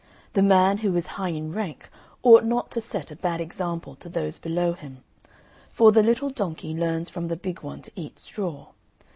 The man who is high in rank ought not to set a bad example to those below him; for the little donkey learns from the big one to eat straw.